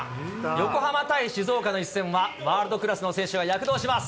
横浜対静岡の一戦は、ワールドクラスの選手が躍動します。